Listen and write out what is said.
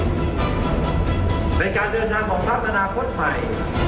ในการเดินทางของพักอนาคตใหม่